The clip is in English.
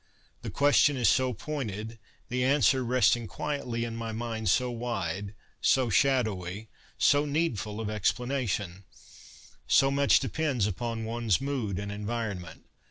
The question is so pointed, the answer resting quietly in my mind so wide, so 24 CONFESSIONS OF A BOOK LOVER shadowy, so needful of explanation. So much depends upon one's mood and environment.